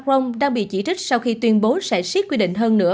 emmanuel macron đang bị chỉ trích sau khi tuyên bố sẽ siết quy định hơn nữa